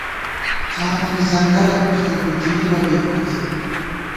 قامَنی ځنگلہ پُݪېؤ ، بِکِنِبہ بے کھُدے